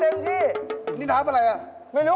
สภาพนี่อุ้มหมาไม่ได้นะ